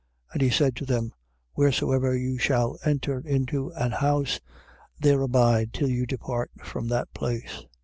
6:10. And he said to them: Wheresoever you shall enter into an house, there abide till you depart from that place.